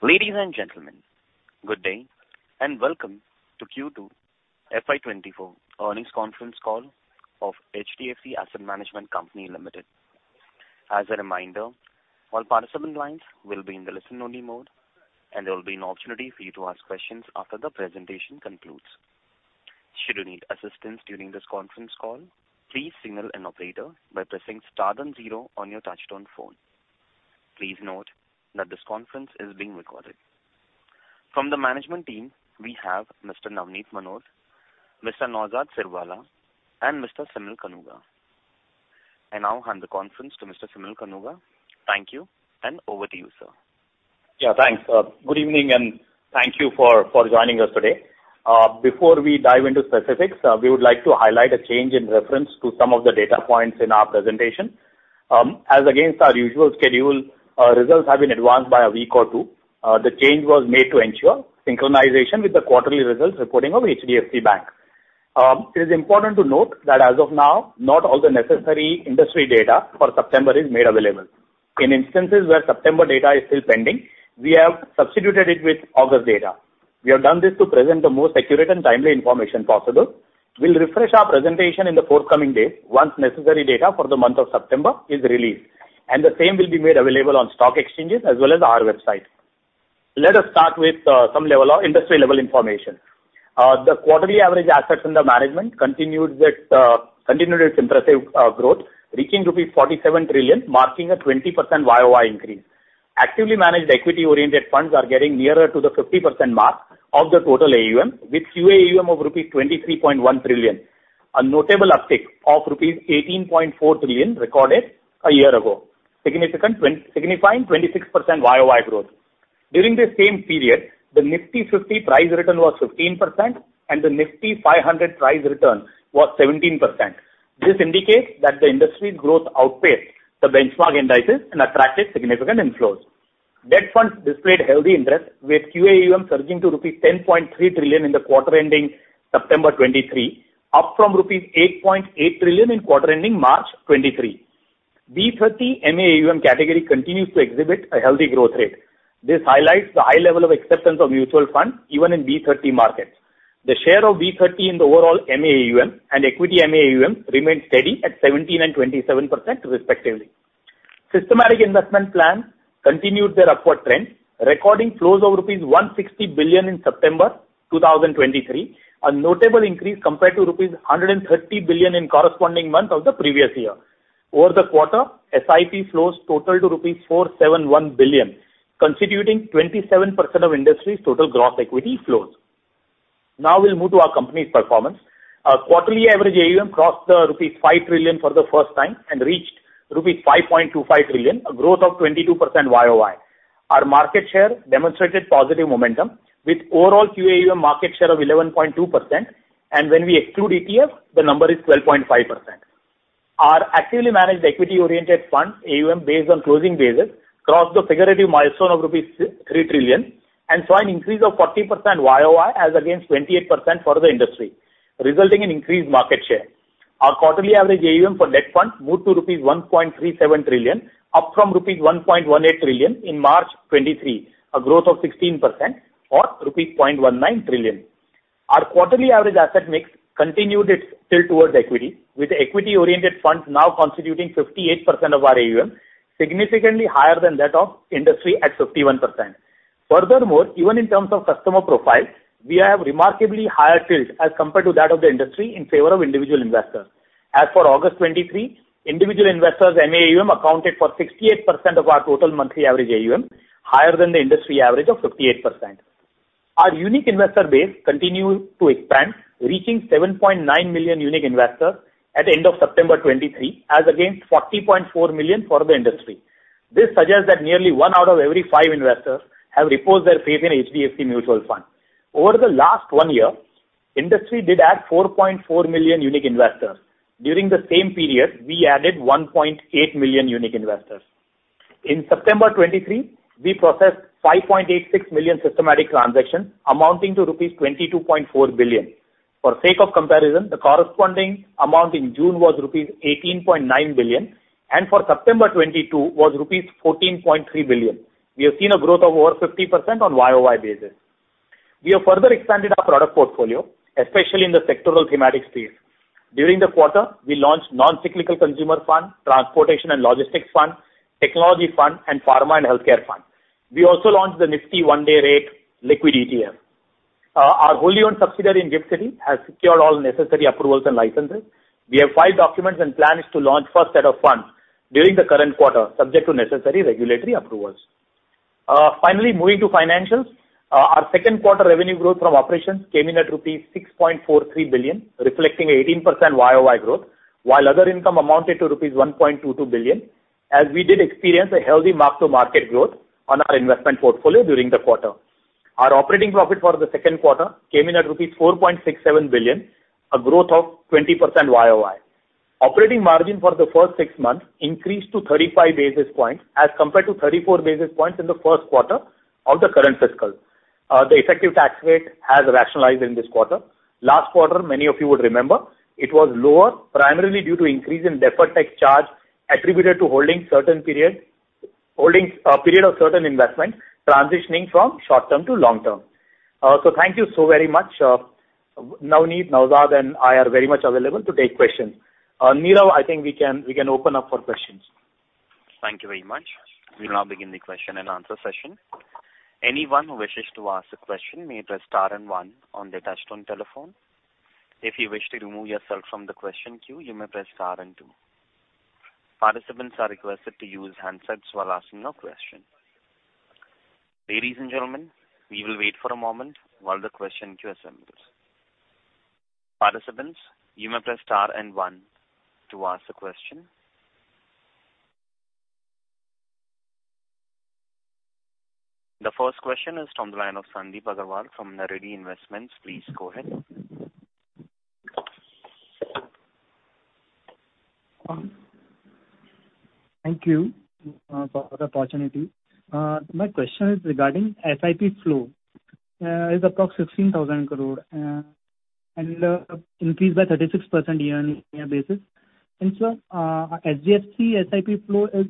Ladies and gentlemen, good day, and welcome to Q2 FY 2024 earnings conference call of HDFC Asset Management Company Limited. As a reminder, all participant lines will be in the listen-only mode, and there will be an opportunity for you to ask questions after the presentation concludes. Should you need assistance during this conference call, please signal an operator by pressing star then zero on your touchtone phone. Please note that this conference is being recorded. From the management team, we have Mr. Navneet Munot, Mr. Naozad Sirwalla, and Mr. Simal Kanuga. I now hand the conference to Mr. Simal Kanuga. Thank you, and over to you, sir. Yeah, thanks. Good evening, and thank you for, for joining us today. Before we dive into specifics, we would like to highlight a change in reference to some of the data points in our presentation. As against our usual schedule, our results have been advanced by a week or two. The change was made to ensure synchronization with the quarterly results reporting of HDFC Bank. It is important to note that as of now, not all the necessary industry data for September is made available. In instances where September data is still pending, we have substituted it with August data. We have done this to present the most accurate and timely information possible. We'll refresh our presentation in the forthcoming days once necessary data for the month of September is released, and the same will be made available on stock exchanges as well as our website. Let us start with some level of industry-level information. The quarterly average assets under management continued its impressive growth, reaching rupees 47 trillion, marking a 20% YOY increase. Actively managed equity-oriented funds are getting nearer to the 50% mark of the total AUM, with QAUM of rupees 23.1 trillion, a notable uptick of rupees 18.4 trillion recorded a year ago. Signifying 26% YOY growth. During the same period, the Nifty 50 price return was 15% and the Nifty 500 price return was 17%. This indicates that the industry's growth outpaced the benchmark indices and attracted significant inflows. Debt funds displayed healthy interest, with QAUM surging to rupees 10.3 trillion in the quarter ending September 2023, up from rupees 8.8 trillion in quarter ending March 2023. B-30 MAUM category continues to exhibit a healthy growth rate. This highlights the high level of acceptance of mutual funds even in B-30 markets. The share of B-30 in the overall MAUM and equity MAUM remained steady at 17% and 27% respectively. Systematic investment plans continued their upward trend, recording flows of rupees 160 billion in September 2023, a notable increase compared to rupees 130 billion in corresponding month of the previous year. Over the quarter, SIP flows totaled to rupees 471 billion, constituting 27% of industry's total gross equity flows. Now we'll move to our company's performance. Our quarterly average AUM crossed the rupees 5 trillion for the first time and reached rupees 5.25 trillion, a growth of 22% YOY. Our market share demonstrated positive momentum with overall QAUM market share of 11.2%, and when we exclude ETF, the number is 12.5%. Our actively managed equity-oriented fund, AUM based on closing basis, crossed the figurative milestone of rupees 3 trillion and saw an increase of 14% YOY as against 28% for the industry, resulting in increased market share. Our quarterly average AUM for debt fund moved to rupees 1.37 trillion, up from rupees 1.18 trillion in March 2023, a growth of 16% or rupees 0.19 trillion. Our quarterly average asset mix continued its tilt towards equity, with equity-oriented funds now constituting 58% of our AUM, significantly higher than that of industry at 51%. Furthermore, even in terms of customer profile, we have remarkably higher tilt as compared to that of the industry in favor of individual investors. As for August 2023, individual investors' MAUM accounted for 68% of our total monthly average AUM, higher than the industry average of 58%. Our unique investor base continued to expand, reaching 7.9 million unique investors at the end of September 2023, as against 40.4 million for the industry. This suggests that nearly one out of every five investors have reposed their faith in HDFC Mutual Fund. Over the last one year, industry did add 4.4 million unique investors. During the same period, we added 1.8 million unique investors. In September 2023, we processed 5.86 million systematic transactions, amounting to rupees 22.4 billion. For sake of comparison, the corresponding amount in June was rupees 18.9 billion, and for September 2022 was rupees 14.3 billion. We have seen a growth of over 50% on YOY basis. We have further expanded our product portfolio, especially in the sectoral thematic space. During the quarter, we launched Non-Cyclical Consumer Fund, Transportation and Logistics Fund, Technology Fund, and Pharma and Healthcare Fund. We also launched the Nifty 1D Rate Liquid ETF. Our wholly-owned subsidiary in GIFT City has secured all necessary approvals and licenses. We have filed documents and plans to launch first set of funds during the current quarter, subject to necessary regulatory approvals. Finally, moving to financials. Our second quarter revenue growth from operations came in at rupees 6.43 billion, reflecting 18% YOY growth, while other income amounted to rupees 1.22 billion, as we did experience a healthy mark-to-market growth on our investment portfolio during the quarter. Our operating profit for the second quarter came in at rupees 4.67 billion, a growth of 20% YOY. Operating margin for the first six months increased to 35 basis points as compared to 34 basis points in the first quarter of the current fiscal. The effective tax rate has rationalized in this quarter. Last quarter, many of you would remember, it was lower, primarily due to increase in deferred tax charge attributed to holding certain period—holding a period of certain investment, transitioning from short-term to long-term. So thank you so very much. Navneet, Naozad and I are very much available to take questions. Nirav, I think we can open up for questions. Thank you very much. We'll now begin the question and answer session. Anyone who wishes to ask a question may press star and one on their touchtone telephone. If you wish to remove yourself from the question queue, you may press star and two. Participants are requested to use handsets while asking your question. Ladies and gentlemen, we will wait for a moment while the question queue assembles. Participants, you may press star and one to ask a question. The first question is from the line of Sandeep Agarwal from Naredi Investments. Please go ahead. Thank you for the opportunity. My question is regarding SIP flow. It's approx 16,000 crore, and increased by 36% year-on-year basis. And so, HDFC SIP flow is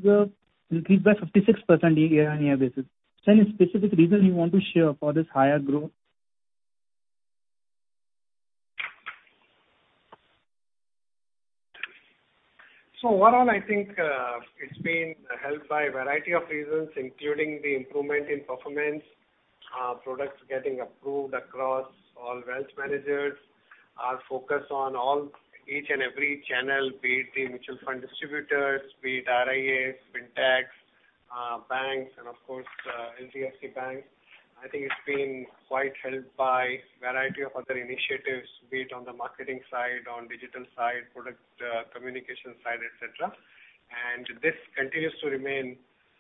increased by 56% year-on-year basis. Any specific reason you want to share for this higher growth? So one, I think, it's been helped by a variety of reasons, including the improvement in performance, products getting approved across all wealth managers. Our focus on all each and every channel, be it the mutual fund distributors, be it RIAs, Fintech, banks, and of course, HDFC Bank. I think it's been quite helped by variety of other initiatives, be it on the marketing side, on digital side, product, communication side, et cetera. And this continues to remain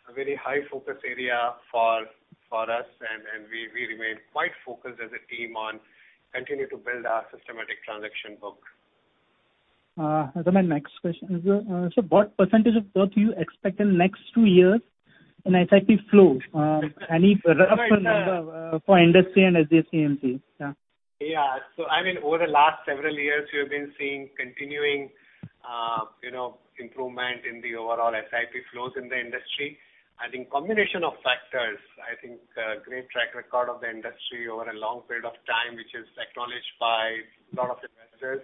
a very high focus area for us, and we remain quite focused as a team on continue to build our systematic transaction book. My next question is, so what percentage of growth do you expect in the next two years in SIP flow? Any rough number for industry and HDFC AMC? Yeah. Yeah. So I mean, over the last several years, we have been seeing continuing, you know, improvement in the overall SIP flows in the industry. I think combination of factors, I think, great track record of the industry over a long period of time, which is acknowledged by a lot of investors.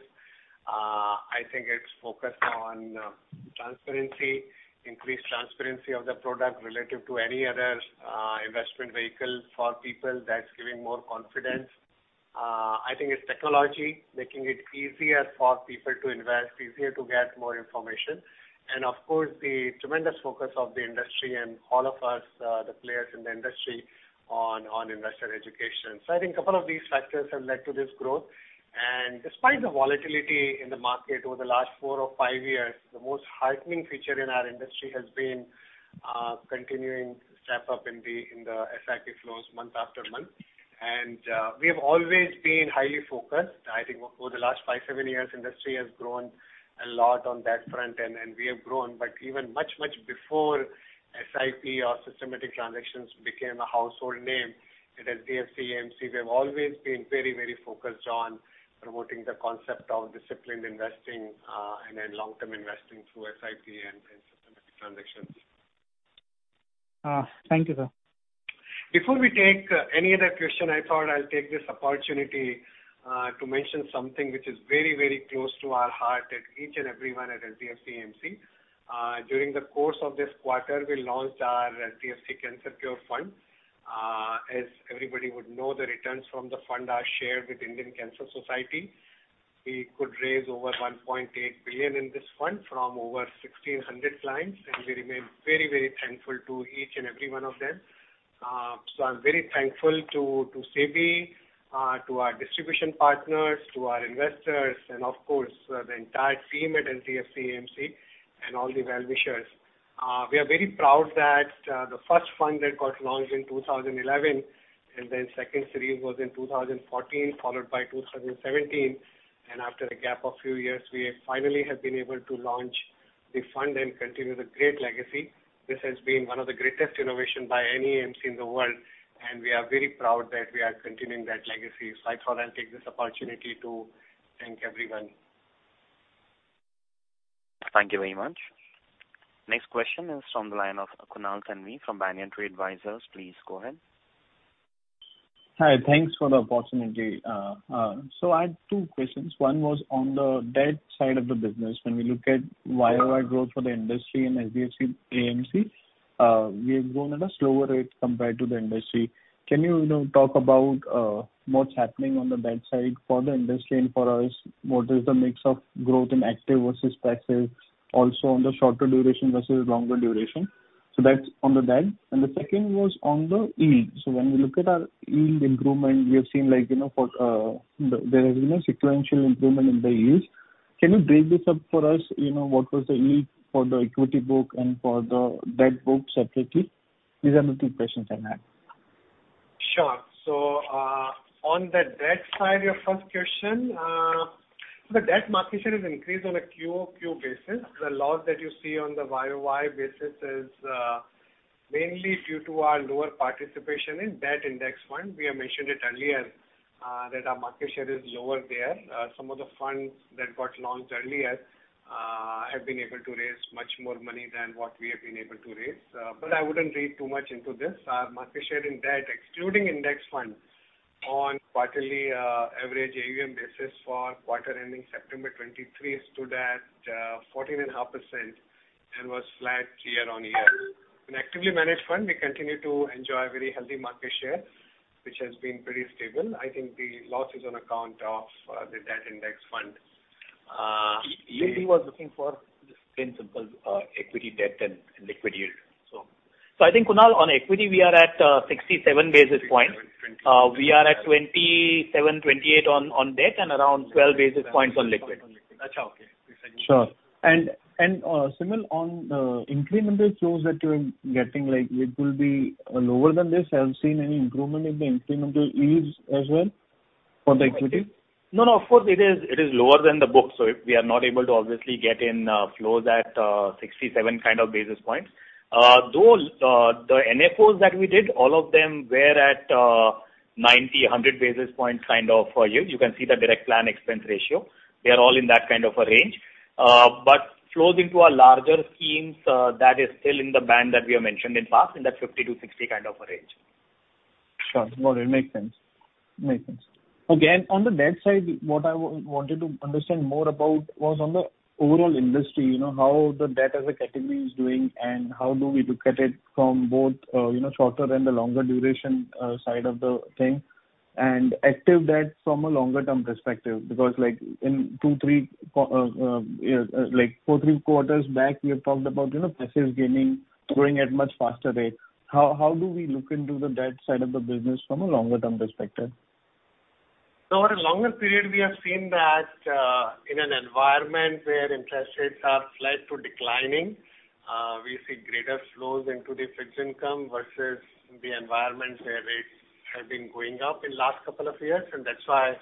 I think it's focused on, transparency, increased transparency of the product relative to any other, investment vehicle for people that's giving more confidence. I think it's technology making it easier for people to invest, easier to get more information. And of course, the tremendous focus of the industry and all of us, the players in the industry on investor education. So I think a couple of these factors have led to this growth. Despite the volatility in the market over the last four or five years, the most heartening feature in our industry has been continuing to step up in the SIP flows month after month. We have always been highly focused. I think over the last five, seven years, industry has grown a lot on that front and we have grown. But even much, much before SIP or systematic transactions became a household name at HDFC AMC, we have always been very, very focused on promoting the concept of disciplined investing and then long-term investing through SIP and systematic transactions. Thank you, sir. Before we take any other question, I thought I'll take this opportunity to mention something which is very, very close to our heart at each and everyone at HDFC AMC. During the course of this quarter, we launched our HDFC Cancer Cure Fund. As everybody would know, the returns from the fund are shared with Indian Cancer Society. We could raise over 1.8 billion in this fund from over 1,600 clients, and we remain very, very thankful to each and every one of them. So I'm very thankful to SEBI, to our distribution partners, to our investors, and of course, the entire team at HDFC AMC and all the well-wishers. We are very proud that the first fund that got launched in 2011, and then second series was in 2014, followed by 2017. After a gap of few years, we finally have been able to launch the fund and continue the great legacy. This has been one of the greatest innovation by any AMC in the world, and we are very proud that we are continuing that legacy. So I thought I'll take this opportunity to thank everyone. Thank you very much. Next question is from the line of Kunal Sondhi from Banyan Tree Advisors. Please go ahead. Hi, thanks for the opportunity. So I had two questions. One was on the debt side of the business. When we look at YOY growth for the industry in HDFC AMC, we have grown at a slower rate compared to the industry. Can you, you know, talk about, what's happening on the debt side for the industry and for us? What is the mix of growth in active versus passive, also on the shorter duration versus longer duration? So that's on the debt. And the second was on the yield. So when we look at our yield improvement, we have seen, like, you know, there has been a sequential improvement in the yields. Can you break this up for us? You know, what was the yield for the equity book and for the debt book separately? These are the two questions I had. Sure. On the debt side, your first question. The debt market share has increased on a quarter-over-quarter basis. The loss that you see on the year-over-year basis is mainly due to our lower participation in debt index fund. We have mentioned it earlier that our market share is lower there. Some of the funds that got launched earlier have been able to raise much more money than what we have been able to raise. I wouldn't read too much into this. Our market share in debt, excluding index funds on quarterly average AUM basis for quarter ending September 2023 stood at 14.5% and was flat year-over-year. In actively managed fund, we continue to enjoy very healthy market share, which has been pretty stable. I think the loss is on account of the debt index fund. He was looking for the simple equity, debt and liquid yield. So I think, Kunal, on equity, we are at 67 basis points. We are at 27-28 on debt and around 12 basis points on liquid. Got you. Okay. Sure. Simal, on incremental flows that you're getting, like, it will be lower than this? Have you seen any improvement in the incremental yields as well for the equity? No, no, of course it is, it is lower than the book. So if we are not able to obviously get in, flows at, 67 kind of basis points. Those, the NFOs that we did, all of them were at, 90, 100 basis points kind of a yield. You can see the direct plan expense ratio. They are all in that kind of a range. But flows into our larger schemes, that is still in the band that we have mentioned in past, in that 50-60 kind of a range. Sure. No, it makes sense. Makes sense. Okay, on the debt side, what I wanted to understand more about was on the overall industry, you know, how the debt as a category is doing, and how do we look at it from both, you know, shorter and the longer duration side of the thing, and active debt from a longer-term perspective? Because, like, in two, three, like, four, three quarters back, we have talked about, you know, passive gaining, growing at much faster rate. How, how do we look into the debt side of the business from a longer-term perspective? So over a longer period, we have seen that, in an environment where interest rates are flat to declining, we see greater flows into the fixed income versus the environment where rates have been going up in last couple of years. That's why,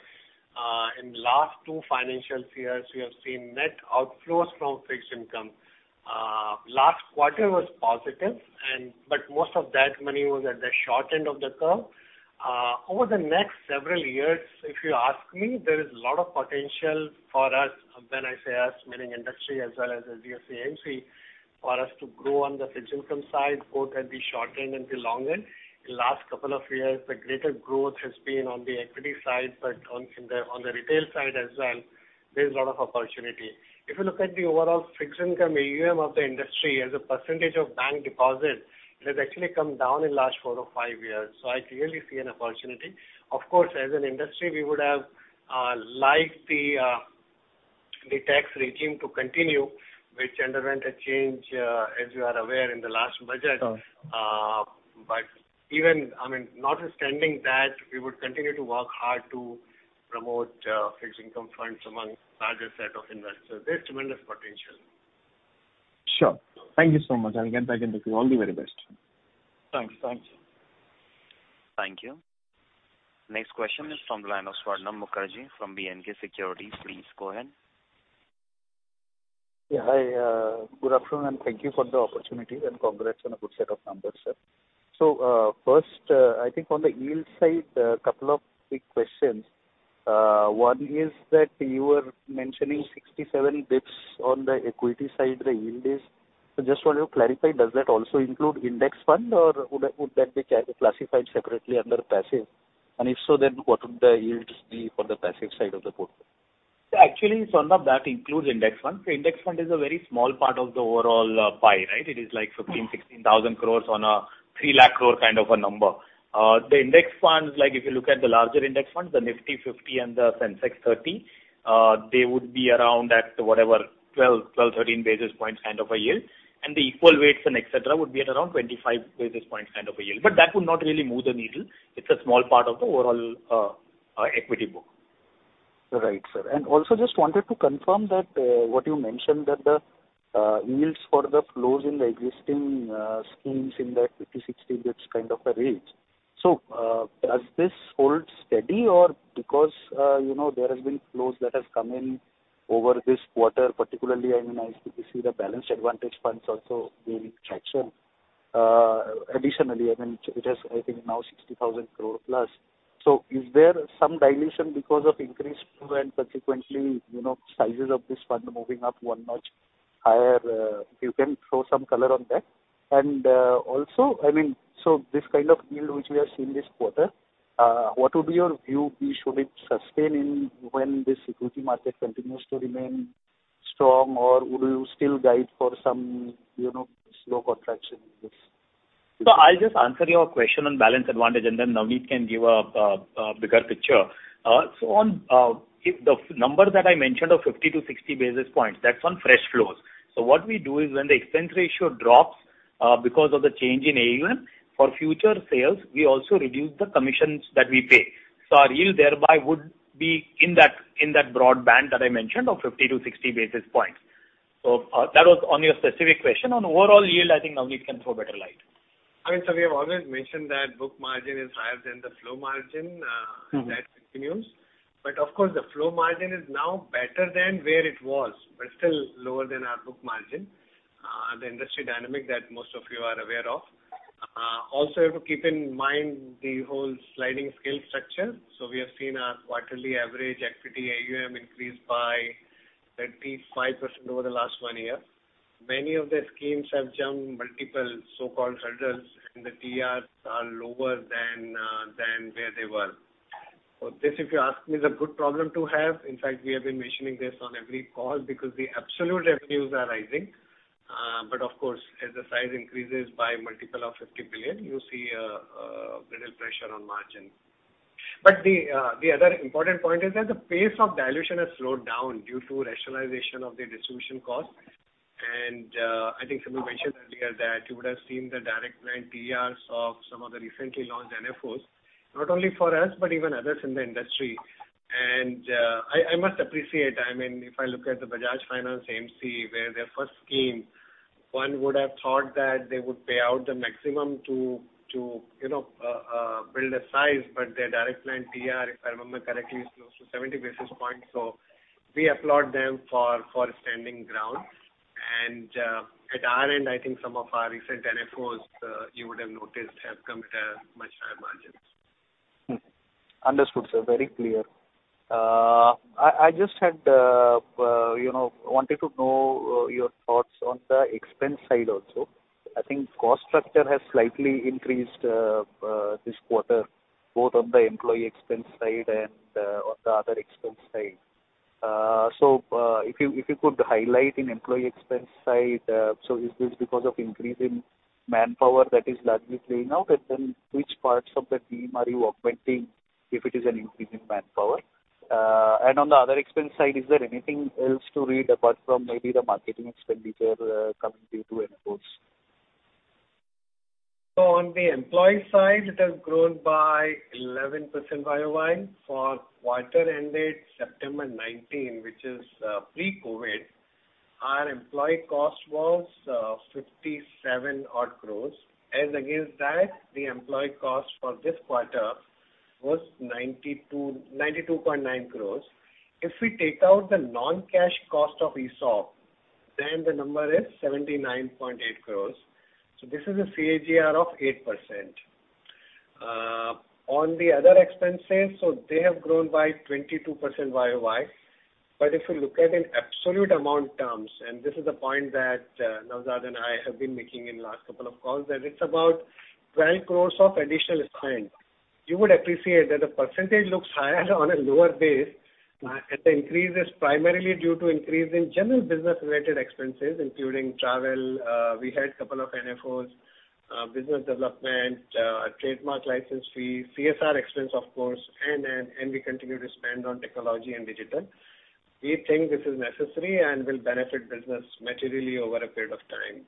in last two financial years, we have seen net outflows from fixed income. Last quarter was positive, but most of that money was at the short end of the curve. Over the next several years, if you ask me, there is a lot of potential for us, when I say us, meaning industry as well as AMC, for us to grow on the fixed income side, both at the short end and the long end. In last couple of years, the greater growth has been on the equity side, but on, in the, on the retail side as well, there is a lot of opportunity. If you look at the overall fixed income AUM of the industry as a percentage of bank deposits, it has actually come down in last four or five years. So I clearly see an opportunity. Of course, as an industry, we would have liked the tax regime to continue, which underwent a change, as you are aware, in the last budget. Sure. But even, I mean, notwithstanding that, we would continue to work hard to promote fixed income funds among larger set of investors. There's tremendous potential. Sure. Thank you so much. I'll get back to you. All the very best. Thanks. Thanks. Thank you. Next question is from Swarnabh Mukherjee from BNK Securities. Please go ahead. Yeah, hi, good afternoon, and thank you for the opportunity, and congrats on a good set of numbers, sir. So, first, I think on the yield side, a couple of quick questions. One is that you were mentioning 67 basis points on the equity side, the yield is. So just want to clarify, does that also include index fund or would, would that be classified separately under passive? And if so, then what would the yields be for the passive side of the portfolio? Actually, Swarnabh, that includes index fund. So index fund is a very small part of the overall pie, right? It is like 15,000-16,000 crore on a 300,000 crore kind of a number. The index funds, like if you look at the larger index funds, the Nifty 50 and the Sensex 30, they would be around at whatever, 12-13 basis points kind of a yield, and the equal weights and et cetera would be at around 25 basis points kind of a yield. But that would not really move the needle. It's a small part of the overall equity book. Right, sir. And also just wanted to confirm that what you mentioned, that the yields for the flows in the existing schemes in that 50-60 basis points kind of a range. So, does this hold steady or because, you know, there has been flows that have come in over this quarter, particularly, I mean, I see the Balanced Advantage funds also gaining traction. Additionally, I mean, it has, I think, now 60,000 crore plus. So is there some dilution because of increased flow and consequently, you know, sizes of this fund moving up one notch higher? If you can throw some color on that. And, also, I mean, so this kind of yield which we have seen this quarter, what would be your view? Should it sustain in when this equity market continues to remain strong or would you still guide for some, you know, slow contraction in this? So I'll just answer your question on balanced advantage, and then Navneet can give a bigger picture. So on, if the number that I mentioned of 50-60 basis points, that's on fresh flows. So what we do is when the expense ratio drops, because of the change in AUM, for future sales, we also reduce the commissions that we pay. So our yield thereby would be in that, in that broad band that I mentioned of 50-60 basis points. So, that was on your specific question. On overall yield, I think Navneet can throw better light. I mean, so we have always mentioned that book margin is higher than the flow margin. That continues. But of course, the flow margin is now better than where it was, but still lower than our book margin. The industry dynamic that most of you are aware of. Also you have to keep in mind the whole sliding scale structure. So we have seen our quarterly average equity AUM increase by 35% over the last one year. Many of the schemes have jumped multiple, so-called hurdles, and the TERs are lower than than where they were. So this, if you ask me, is a good problem to have. In fact, we have been mentioning this on every call because the absolute revenues are rising. But of course, as the size increases by multiple of 50 billion, you see a little pressure on margin. But the other important point is that the pace of dilution has slowed down due to rationalization of the distribution cost. And I think somebody mentioned earlier that you would have seen the direct line TERs of some of the recently launched NFOs, not only for us, but even others in the industry. And I must appreciate, I mean, if I look at the Bajaj Finance AMC, where their first scheme, one would have thought that they would pay out the maximum to you know build a size, but their direct line TR, if I remember correctly, is close to 70 basis points. So we applaud them for standing ground. And at our end, I think some of our recent NFOs you would have noticed, have come at a much higher margins. Understood, sir. Very clear. I just had, you know, wanted to know your thoughts on the expense side also. I think cost structure has slightly increased this quarter, both on the employee expense side and on the other expense side. So, if you could highlight in employee expense side, so is this because of increase in manpower that is largely playing out? And then which parts of the team are you augmenting, if it is an increase in manpower? And on the other expense side, is there anything else to read apart from maybe the marketing expenditure coming due to NFOs? On the employee side, it has grown by 11% year-over-year. For quarter ended September 2019, which is pre-COVID, our employee cost was 57 crore. As against that, the employee cost for this quarter was 92.9 crore. If we take out the non-cash cost of ESOP, then the number is 79.8 crore. This is a CAGR of 8%. On the other expenses, they have grown by 22% year-over-year. If you look at in absolute amount terms, and this is a point that Naozad and I have been making in last couple of calls, it's about 12 crore of additional spend. You would appreciate that the percentage looks higher on a lower base, and the increase is primarily due to increase in general business-related expenses, including travel, we had couple of NFOs, business development, trademark license fees, CSR expense, of course, and, and, and we continue to spend on technology and digital. We think this is necessary and will benefit business materially over a period of time.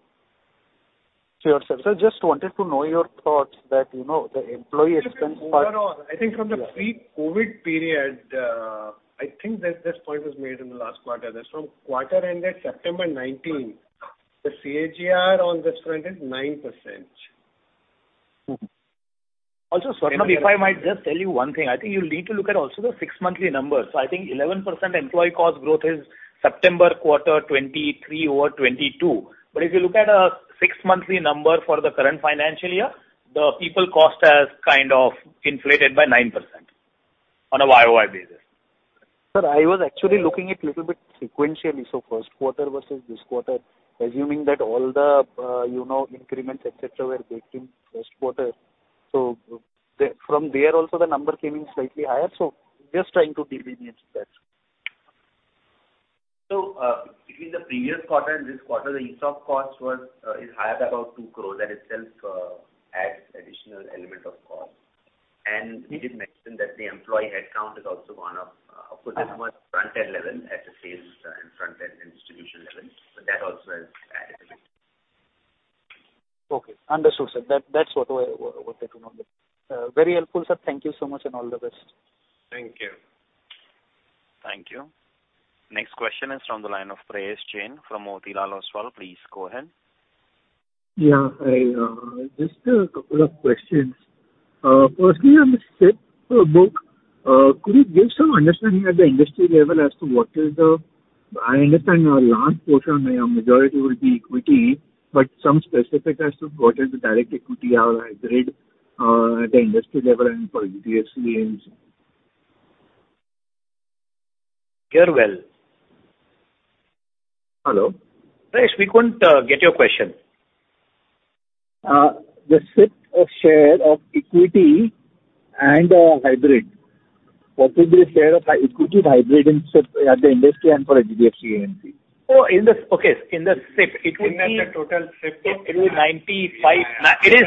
Sure, sir. Sir, just wanted to know your thoughts that, you know, the employee expense part- Overall, I think from the pre-COVID period, I think that this point was made in the last quarter, that from quarter ended September 2019, the CAGR on this front is 9%. Mm-hmm. Also, Swarnabh, if I might just tell you one thing, I think you need to look at also the six-monthly numbers. So I think 11% employee cost growth is September quarter 2023 over 2022. But if you look at a six-monthly number for the current financial year, the people cost has kind of inflated by 9% on a YOY basis. Sir, I was actually looking at it a little bit sequentially, so first quarter versus this quarter, assuming that all the, you know, increments, et cetera, were baked in first quarter. So from there also, the number came in slightly higher, so just trying to delineate that. Between the previous quarter and this quarter, the ESOP cost is higher by about 2 crore. That itself adds additional element of cost. We did mention that the employee headcount has also gone up, this was front-end level at the sales and front-end and distribution level, so that also has added a bit. Okay, understood, sir. That, that's what I wanted to know. Very helpful, sir. Thank you so much, and all the best. Thank you. Thank you. Next question is from the line of Prayesh Jain from Motilal Oswal. Please go ahead. Yeah, I just a couple of questions. Firstly, on the SIP book, could you give some understanding at the industry level as to what is the... I understand a large portion or majority would be equity, but some specific as to what is the direct equity or hybrid at the industry level and for HDFC AMC? You're well. Hello. Parvesh, we couldn't get your question. The SIP share of equity and hybrid. What would be a share of equity hybrid in SIP at the industry and for HDFC AMC? Okay, in the SIPP, equity. In the total SIPP, it is 95. It is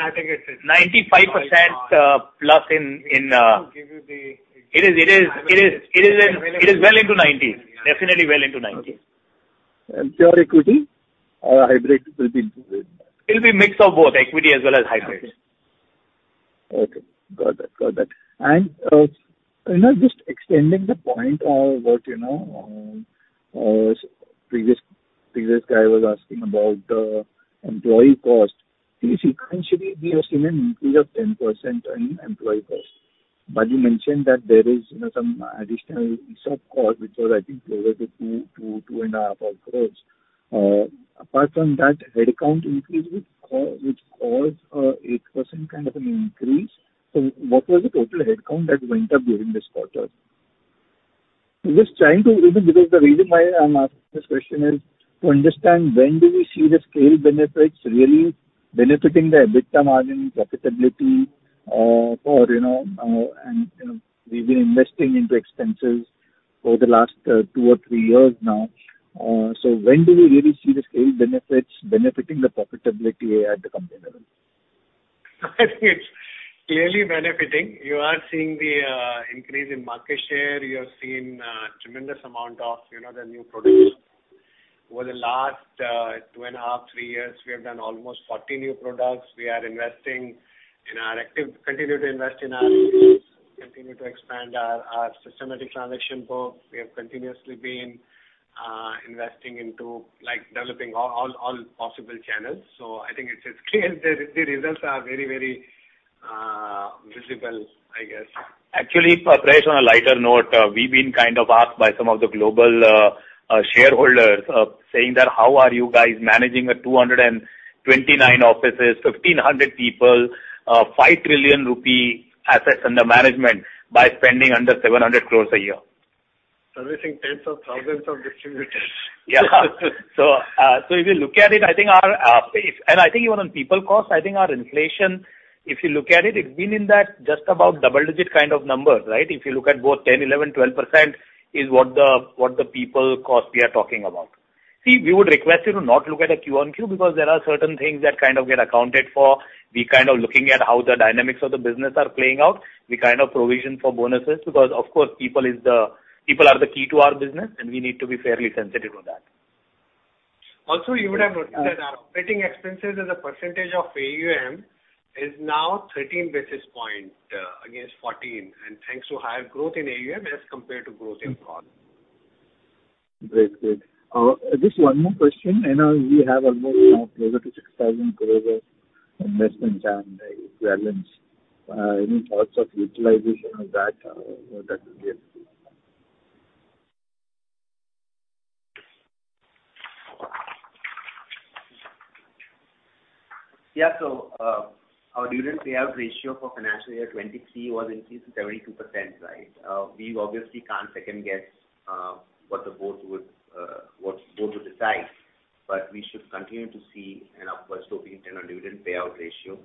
95%, plus in, in. To give you the. It is well into 90. Definitely well into 90. Okay. And pure equity, hybrid will be included? It'll be a mix of both equity as well as hybrid. Okay. Got that, got that. You know, just extending the point on what, you know, the previous guy was asking about the employee cost. See, sequentially, we have seen an increase of 10% in employee cost, but you mentioned that there is, you know, some additional ESOP cost, which was, I think, closer to 2-2.5 crore. Apart from that, headcount increase would cause, which caused, 8% kind of an increase. What was the total headcount that went up during this quarter? Just trying to—even because the reason why I'm asking this question is to understand when do we see the scale benefits really benefiting the EBITDA margins, profitability, or, you know, you know, we've been investing into expenses over the last two or three years now. When do we really see the scale benefits benefiting the profitability at the company level? It's clearly benefiting. You are seeing the increase in market share. You have seen tremendous amount of, you know, the new products. Over the last two and half three years, we have done almost 40 new products. We are investing in our active. Continue to invest in our continue to expand our, our systematic transaction book. We have continuously been investing into, like, developing all, all, all possible channels. So I think it's clear the results are very, very visible, I guess. Actually, Prayesh, on a lighter note, we've been kind of asked by some of the global shareholders, saying that: How are you guys managing 229 offices, 1,500 people, 5 trillion rupee assets under management by spending under 700 crore a year? Servicing tens of thousands of distributors. Yeah. So if you look at it, I think our, and I think even on people cost, I think our inflation, if you look at it, it's been in that just about double digit kind of numbers, right? If you look at both 10%, 11%, 12% is what the people cost we are talking about. See, we would request you to not look at a q-on-q, because there are certain things that kind of get accounted for. We're kind of looking at how the dynamics of the business are playing out. We kind of provision for bonuses, because, of course, people are the key to our business, and we need to be fairly sensitive on that. Also, you would have noted that our operating expenses as a percentage of AUM is now 13 basis points against 14, and thanks to higher growth in AUM as compared to growth in cost. Great. Good. Just one more question. I know we have almost now closer to 6,000 crore of investments and balance. Any thoughts of utilization of that, that would be it? Yeah. Our dividend payout ratio for financial year 2023 was increased to 72%, right? We obviously can't second-guess what the board would decide, but we should continue to see an upward sloping internal dividend payout ratio.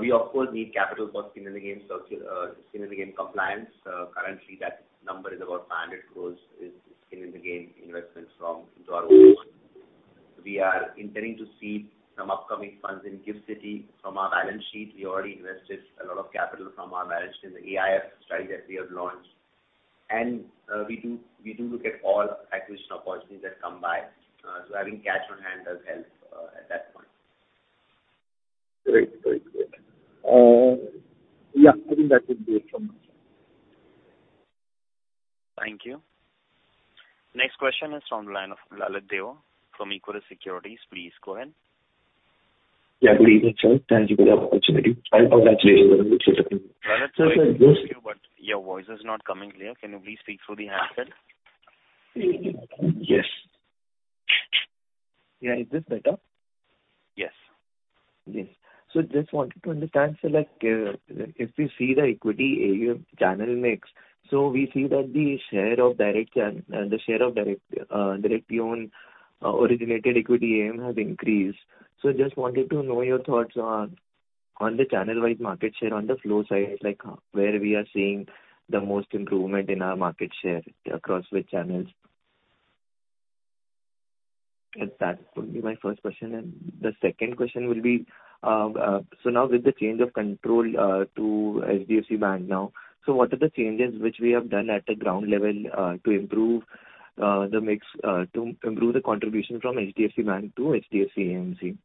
We of course need capital for skin in the game, skin in the game compliance. Currently, that number is about 500 crore is skin in the game investment from into our. We are intending to see some upcoming funds in GIFT City. From our balance sheet, we already invested a lot of capital from our balance sheet in the AIF strategy that we have launched. We do look at all acquisition opportunities that come by. Having cash on hand does help at that point. Great. Great, great. Yeah, I think that would be it from my side. Thank you. Next question is from the line of Lalit Deo from Equirus Securities. Please go ahead. Yeah, good evening, sir. Thank you for the opportunity. Congratulations on the good quarter. Lalit, we can hear you, but your voice is not coming clear. Can you please speak through the handset? Yes. Yeah. Is this better? Yes. Yes. So just wanted to understand, so, like, if we see the equity AUM channel mix, so we see that the share of direct channel, the share of direct, directly owned, originated equity AUM has increased. So just wanted to know your thoughts on, on the channel-wide market share on the flow side, like, where we are seeing the most improvement in our market share across which channels? That would be my first question, and the second question will be, so now with the change of control, to HDFC Bank now, so what are the changes which we have done at the ground level, to improve, the mix, to improve the contribution from HDFC Bank to HDFC AMC?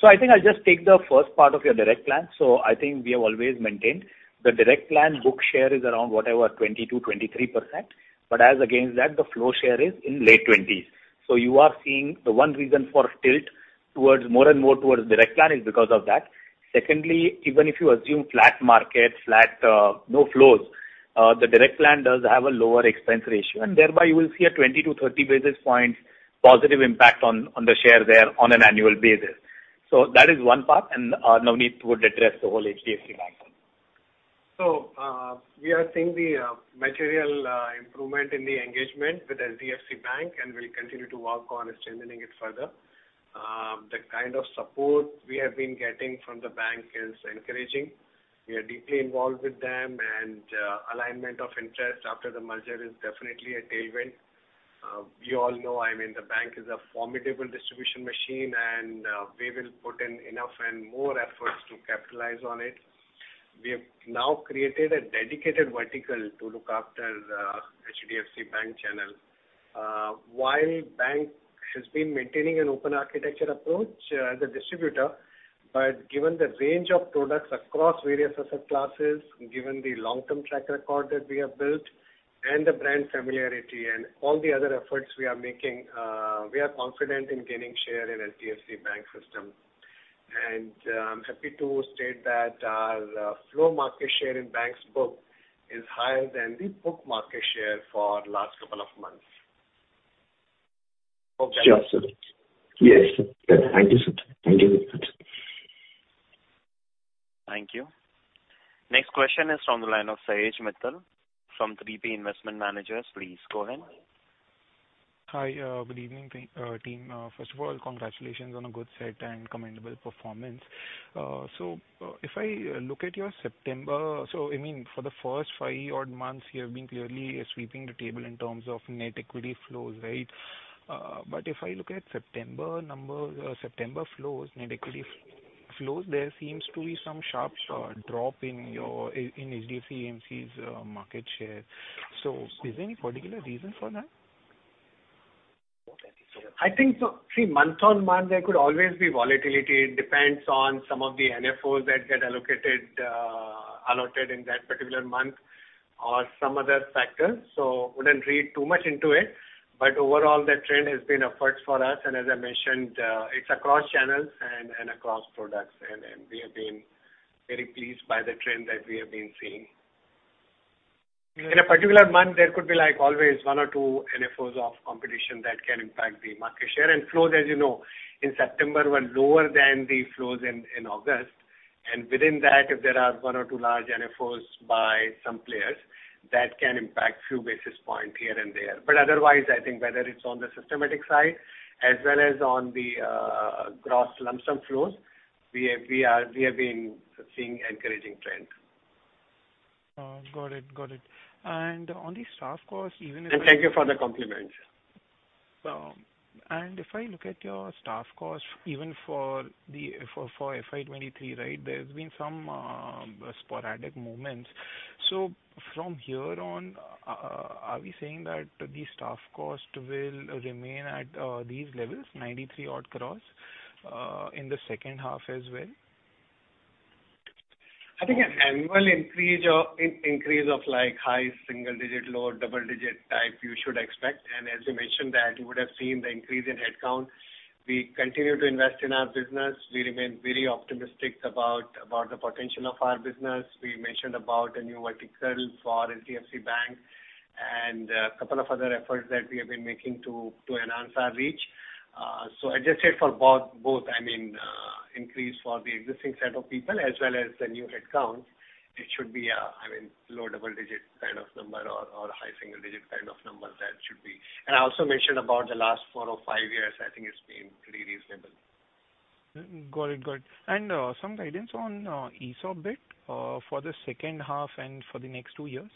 So I think I'll just take the first part of your direct plan. So I think we have always maintained the direct plan book share is around whatever, 22%-23%, but as against that, the flow share is in late 20s. So you are seeing the one reason for tilt towards more and more towards direct plan is because of that. Secondly, even if you assume flat market, flat, no flows, the direct plan does have a lower expense ratio, and thereby you will see a 20-30 basis points positive impact on, on the share there on an annual basis. So that is one part, and, Navneet would address the whole HDFC Bank part. So, we are seeing the, material, improvement in the engagement with HDFC Bank, and we'll continue to work on strengthening it further. The kind of support we have been getting from the bank is encouraging. We are deeply involved with them, and, alignment of interest after the merger is definitely a tailwind. We all know, I mean, the bank is a formidable distribution machine, and, we will put in enough and more efforts to capitalize on it.... We have now created a dedicated vertical to look after, HDFC Bank channel. While Bank has been maintaining an open architecture approach, as a distributor, but given the range of products across various asset classes, given the long-term track record that we have built and the brand familiarity and all the other efforts we are making, we are confident in gaining share in HDFC Bank system. I'm happy to state that our flow market share in Bank's book is higher than the book market share for last couple of months. Sure, sir. Yes, sir. Thank you, sir. Thank you. Thank you. Next question is from the line of Saijit Mittal from 3P Investment Managers. Please go ahead. Hi, good evening, team. First of all, congratulations on a good set and commendable performance. So, if I look at your September. So I mean, for the first five odd months, you have been clearly sweeping the table in terms of net equity flows, right? But if I look at September number, September flows, net equity flows, there seems to be some sharp drop in HDFC AMC's market share. So is there any particular reason for that? I think so. See, month-on-month, there could always be volatility. It depends on some of the NFOs that get allocated, allotted in that particular month or some other factors, so wouldn't read too much into it. But overall, the trend has been upwards for us, and as I mentioned, it's across channels and, and across products, and, and we have been very pleased by the trend that we have been seeing. In a particular month, there could be, like always, one or two NFOs of competition that can impact the market share. And flows, as you know, in September were lower than the flows in, in August. And within that, if there are one or two large NFOs by some players, that can impact few basis points here and there. But otherwise, I think whether it's on the systematic side as well as on the gross lump sum flows, we have been seeing encouraging trends. Got it. Got it. And on the staff costs, even. Thank you for the compliment. And if I look at your staff costs, even for the FY 2023, right, there's been some sporadic moments. So from here on, are we saying that the staff cost will remain at these levels, 93 odd crores, in the second half as well? I think an annual increase of like high single digit, low double digit type, you should expect. And as I mentioned that you would have seen the increase in headcount. We continue to invest in our business. We remain very optimistic about the potential of our business. We mentioned about a new vertical for HDFC Bank and a couple of other efforts that we have been making to enhance our reach. So adjusted for both, I mean, increase for the existing set of people as well as the new headcount, it should be a I mean low double digit kind of number or high single digit kind of number that should be... And I also mentioned about the last four or five years, I think it's been pretty reasonable. Got it. Got it. And some guidance on ESOP bit for the second half and for the next two years?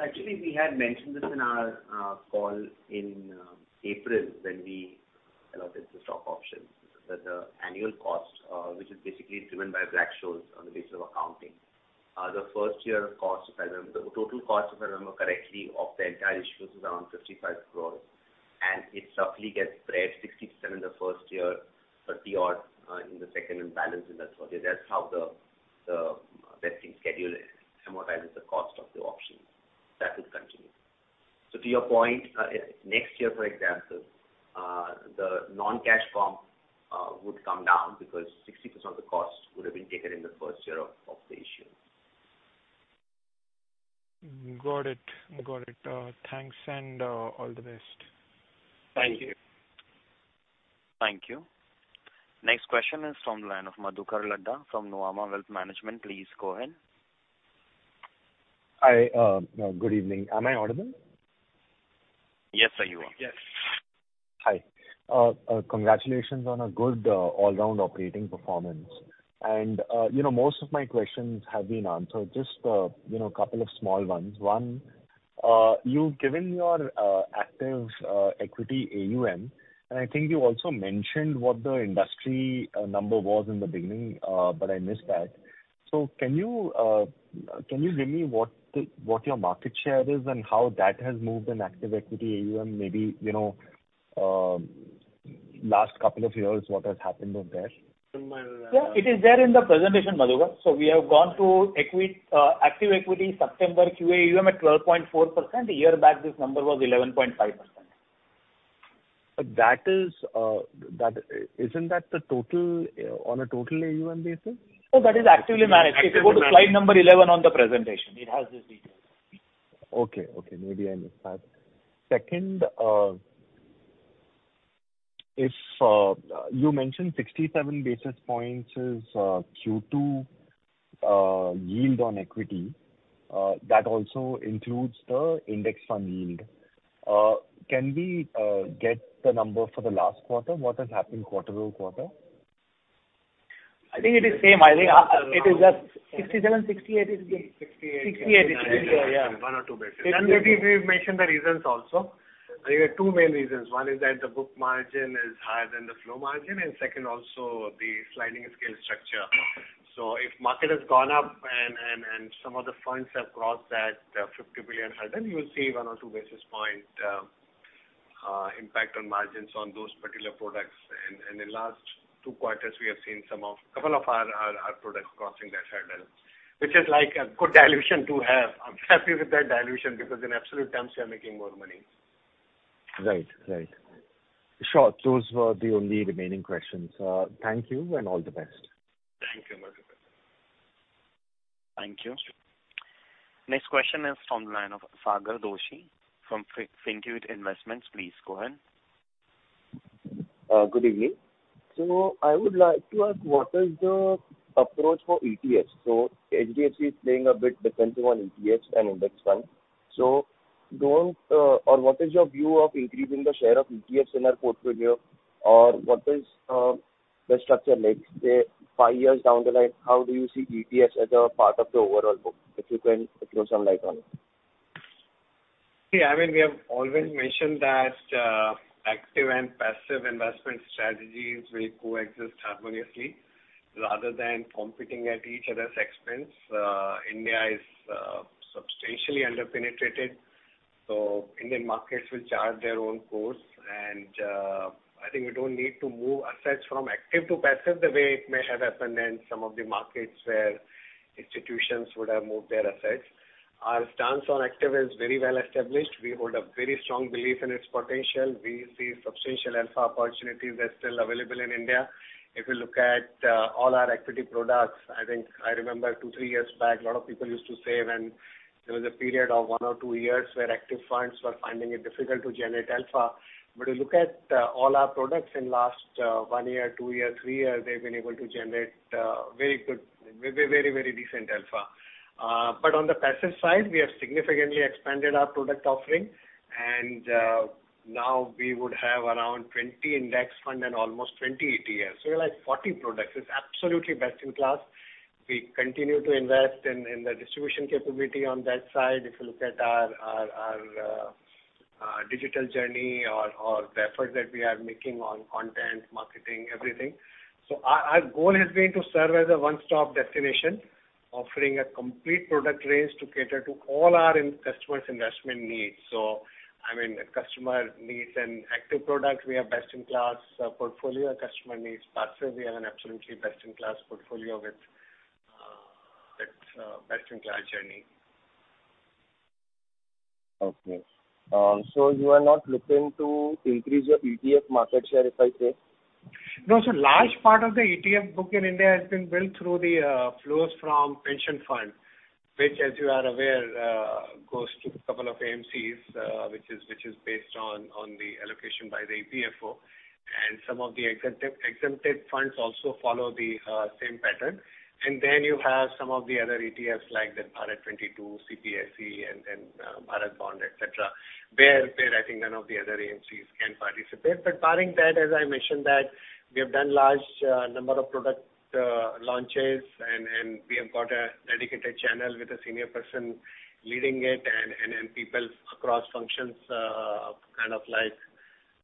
Actually, we had mentioned this in our call in April, when we allotted the stock options. That the annual cost, which is basically driven by Black-Scholes on the basis of accounting. The first year cost, if I remember, the total cost, if I remember correctly, of the entire issue is around 55 crore, and it roughly gets spread 60% in the first year, 30-odd% in the second, and balance in the third year. That's how the vesting schedule amortizes the cost of the option. That will continue. So to your point, next year, for example, the non-cash form would come down because 60% of the cost would have been taken in the first year of the issue. Got it. Got it. Thanks, and all the best. Thank you. Thank you. Next question is from the line of Madhukar Ladha from Nuvama Wealth Management. Please go ahead. Hi, good evening. Am I audible? Yes, sir, you are. Yes. Hi. Congratulations on a good, all-round operating performance. You know, most of my questions have been answered. Just, you know, a couple of small ones. One, you've given your active equity AUM, and I think you also mentioned what the industry number was in the beginning, but I missed that. So can you give me what your market share is and how that has moved in active equity AUM, maybe, you know, last couple of years, what has happened on there? Yeah, it is there in the presentation, Madhukar. So we have gone to equity, active equity, September QAUM at 12.4%. A year back, this number was 11.5%. But isn't that the total on a total AUM basis? Oh, that is actively managed. If you go to slide number 11 on the presentation, it has the details. Okay, okay. Maybe I missed that. Second, if you mentioned 67 basis points is Q2 yield on equity, that also includes the index fund yield. Can we get the number for the last quarter? What has happened quarter-over-quarter? I think it is same. I think, it is just 67, 68 it is? Sixty-eight. 68, it is. Yeah, yeah. One or two basis points. We've mentioned the reasons also. There are two main reasons. One is that the book margin is higher than the flow margin, and second, also the sliding scale structure. If market has gone up and some of the funds have crossed that 50 billion hurdle, then you will see one or two basis point impact on margins on those particular products. In last two quarters, we have seen a couple of our products crossing that hurdle, which is like a good dilution to have. I'm happy with that dilution, because in absolute terms, we are making more money. Right. Right. Sure, those were the only remaining questions. Thank you, and all the best. Thank you, Mukul. Thank you. Next question is from the line of Sagar Doshi from Fintuit Investments. Please go ahead. Good evening. So I would like to ask, what is the approach for ETFs? So HDFC is playing a bit defensive on ETFs and index fund? So don't, or what is your view of increasing the share of ETFs in our portfolio? Or what is the structure like, say, five years down the line, how do you see ETFs as a part of the overall book? If you can throw some light on it. Yeah, I mean, we have always mentioned that, active and passive investment strategies will coexist harmoniously rather than competing at each other's expense. India is, substantially under-penetrated, so Indian markets will chart their own course. And, I think we don't need to move assets from active to passive the way it may have happened in some of the markets where institutions would have moved their assets. Our stance on active is very well established. We hold a very strong belief in its potential. We see substantial alpha opportunities that are still available in India. If you look at, all our equity products, I think I remember two, three years back, a lot of people used to say when there was a period of one or two years where active funds were finding it difficult to generate alpha. But you look at, all our products in last, one year, two year, three year, they've been able to generate, very good, very, very decent alpha. But on the passive side, we have significantly expanded our product offering, and, now we would have around 20 index fund and almost 20 ETFs. So like 40 products. It's absolutely best in class. We continue to invest in, in the distribution capability on that side, if you look at our, our, our, digital journey or, or the efforts that we are making on content, marketing, everything. So our, our goal has been to serve as a one-stop destination, offering a complete product range to cater to all our customers' investment needs. So I mean, a customer needs an active product, we have best in class, portfolio. A customer needs passive. We have an absolutely best in class portfolio with best in class journey. Okay. So you are not looking to increase your ETF market share, if I say? No, so large part of the ETF book in India has been built through the flows from pension fund, which, as you are aware, goes to a couple of AMCs, which is based on the allocation by the APFO. And some of the exempted funds also follow the same pattern. And then you have some of the other ETFs, like the Bharat 22, CPSE and then Bharat Bond, et cetera, where I think none of the other AMCs can participate. But barring that, as I mentioned that we have done large number of product launches, and we have got a dedicated channel with a senior person leading it and people across functions kind of like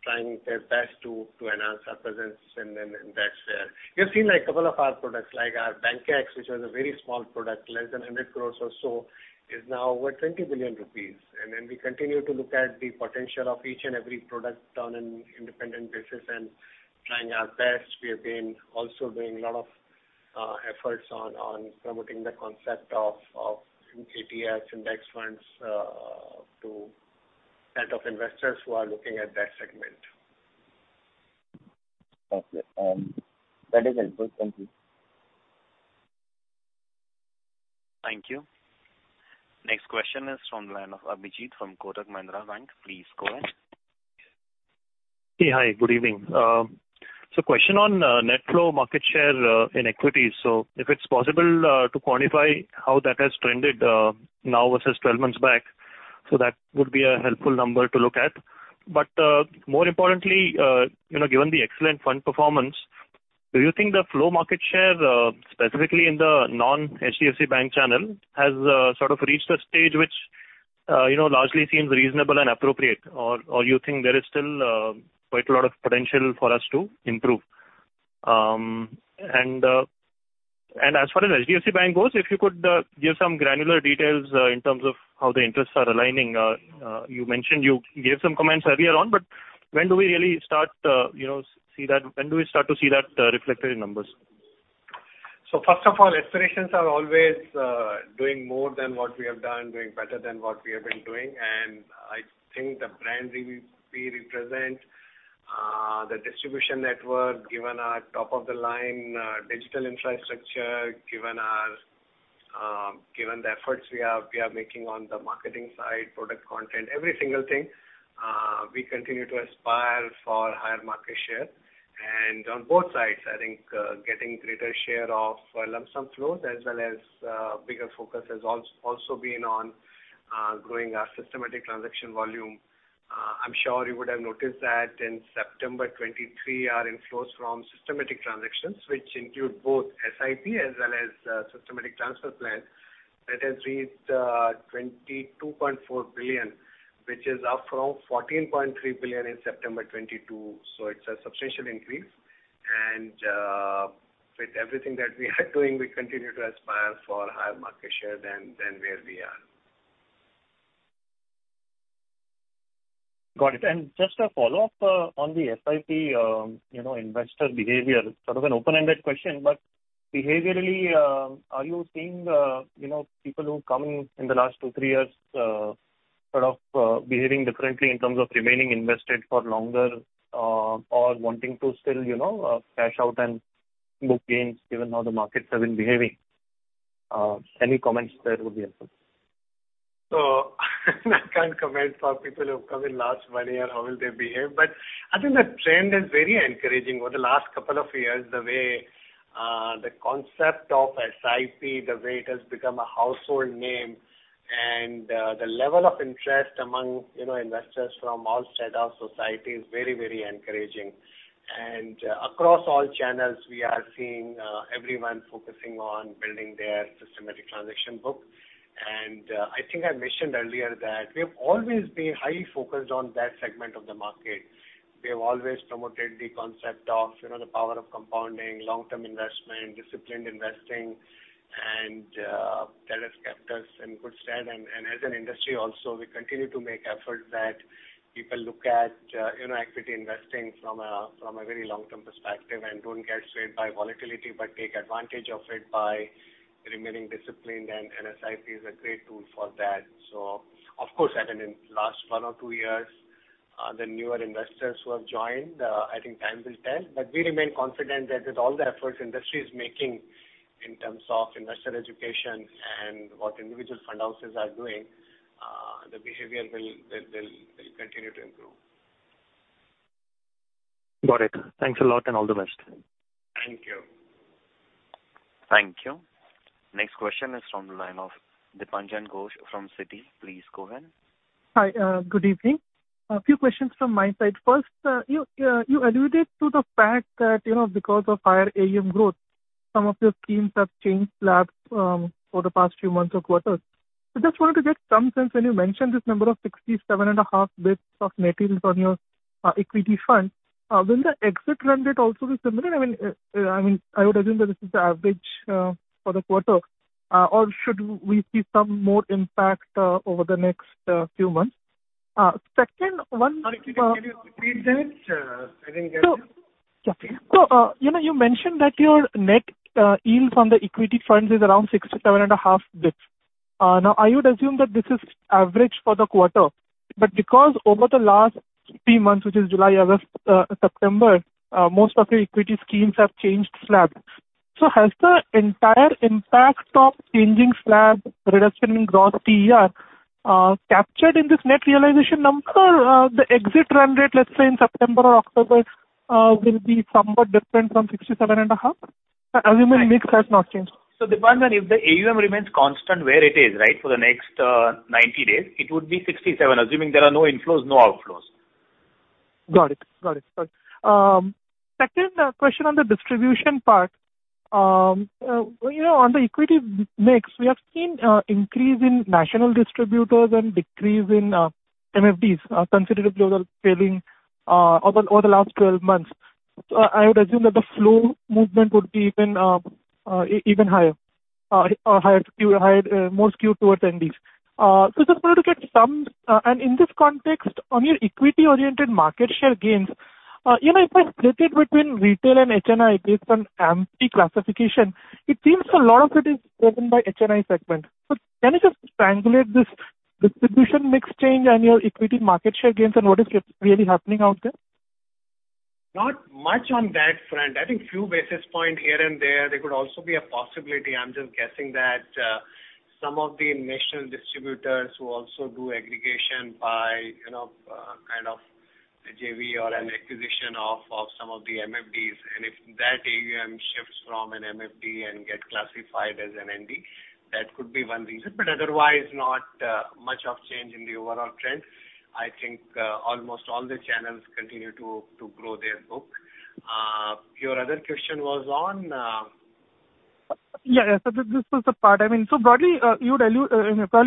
trying their best to enhance our presence. And then that's where... You've seen a couple of our products, like our Bank Nifty, which was a very small product, less than 100 crore or so, is now over 20 billion rupees. We continue to look at the potential of each and every product on an independent basis and trying our best. We have been also doing a lot of efforts on promoting the concept of ETFs, index funds, to set of investors who are looking at that segment. Okay. That is helpful. Thank you. Thank you. Next question is from the line of Abhijeet from Kotak Mahindra Bank. Please go ahead. Hey, hi, good evening. So question on net flow market share in equities. So if it's possible to quantify how that has trended now versus 12 months back, so that would be a helpful number to look at. But more importantly, you know, given the excellent fund performance, do you think the flow market share specifically in the non-HDFC Bank channel has sort of reached a stage which you know largely seems reasonable and appropriate? Or you think there is still quite a lot of potential for us to improve? And as far as HDFC Bank goes, if you could give some granular details in terms of how the interests are aligning. You mentioned you gave some comments earlier on, but when do we really start, you know, see that. When do we start to see that reflected in numbers? So first of all, aspirations are always, doing more than what we have done, doing better than what we have been doing. And I think the brand we represent, the distribution network, given our top-of-the-line, digital infrastructure, given our, given the efforts we are making on the marketing side, product content, every single thing, we continue to aspire for higher market share. And on both sides, I think, getting greater share of, lump sum flows as well as, bigger focus has also been on, growing our systematic transaction volume. I'm sure you would have noticed that in September 2023, our inflows from systematic transactions, which include both SIP as well as, systematic transfer plans, that has reached, 22.4 billion, which is up from 14.3 billion in September 2022. It's a substantial increase. With everything that we are doing, we continue to aspire for higher market share than where we are. Got it. And just a follow-up, on the SIP, you know, investor behavior, sort of an open-ended question, but behaviorally, are you seeing, you know, people who've come in in the last two, three years, sort of, behaving differently in terms of remaining invested for longer, or wanting to still, you know, cash out and book gains, given how the markets have been behaving? Any comments there would be helpful. So, I can't comment for people who have come in last one year, how will they behave? But I think the trend is very encouraging. Over the last couple of years, the way, the concept of SIP, the way it has become a household name and, the level of interest among, you know, investors from all strata of society is very, very encouraging. And across all channels, we are seeing, everyone focusing on building their systematic transaction book. And, I think I mentioned earlier that we have always been highly focused on that segment of the market. We have always promoted the concept of, you know, the power of compounding, long-term investment, disciplined investing, and, that has kept us in good stead. As an industry also, we continue to make efforts that people look at, you know, equity investing from a very long-term perspective and don't get swayed by volatility, but take advantage of it by remaining disciplined, and SIP is a great tool for that. So of course, I mean, in last one or two years, the newer investors who have joined, I think time will tell. But we remain confident that with all the efforts industry is making in terms of investor education and what individual fund houses are doing, the behavior will continue to improve. Got it. Thanks a lot, and all the best. Thank you. Thank you. Next question is from the line of Dipanjan Ghosh from Citi. Please go ahead. Hi, good evening. A few questions from my side. First, you alluded to the fact that, you know, because of higher AUM growth, some of your schemes have changed slabs for the past few months or quarters. I just wanted to get some sense when you mentioned this number of 67.5 basis points of net yields on your equity fund. Will the exit run rate also be similar? I mean, I mean, I would assume that this is the average for the quarter or should we see some more impact over the next few months? Second one, Sorry, could you repeat that? I didn't get you. So, yeah. So, you know, you mentioned that your net yield from the equity funds is around 67.5 basis points. Now, I would assume that this is average for the quarter, but because over the last three months, which is July, August, September, most of your equity schemes have changed slab. So has the entire impact of changing slab reduction in gross TER captured in this net realization number? Or, the exit run rate, let's say, in September or October, will be somewhat different from 67.5? Assuming mix has not changed. So Dipanjan, if the AUM remains constant where it is, right, for the next 90 days, it would be 67, assuming there are no inflows, no outflows. Got it. Second question on the distribution part. You know, on the equity mix, we have seen increase in national distributors and decrease in MFDs considerably over the last 12 months. I would assume that the flow movement would be even higher, or higher skewed, more skewed towards NDs. Just wanted to get some... In this context, on your equity-oriented market share gains, you know, if I split it between retail and HNI based on AMFI classification, it seems a lot of it is driven by HNI segment. Can you just triangulate this distribution mix change and your equity market share gains and what is really happening out there? Not much on that front. I think few basis point here and there. There could also be a possibility, I'm just guessing, that some of the national distributors who also do aggregation by, you know, kind of a JV or an acquisition of some of the MFDs, and if that AUM shifts from an MFD and get classified as an ND, that could be one reason. But otherwise, not much of change in the overall trend. I think almost all the channels continue to grow their book. Your other question was on? Yeah, yeah. So this was the part. I mean, so broadly, earlier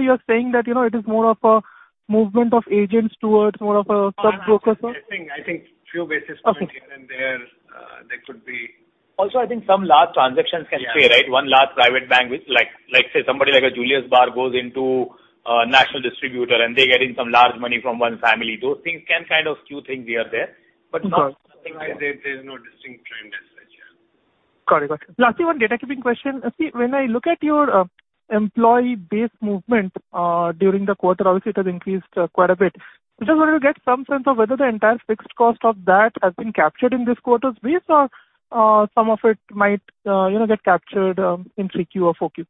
you are saying that, you know, it is more of a movement of agents towards more of a sub-broker firm. I think few basis points. Okay. Here and there, there could be. Also, I think some large transactions can play, right? Yeah. One large private bank, which like, say, somebody like a Julius Baer goes into national distributor, and they get in some large money from one family. Those things can kind of skew things here and there. Sure. But not, I think there, there's no distinct trend as such, yeah. Got it. Got it. Lastly, one data keeping question. See, when I look at your employee base movement during the quarter, obviously it has increased quite a bit. I just wanted to get some sense of whether the entire fixed cost of that has been captured in this quarter's base or some of it might, you know, get captured in 3Q or 4Q?